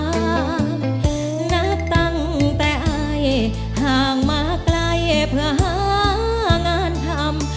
นับตั้งแต่อายห่างมาไกลเพื่อหางานทำ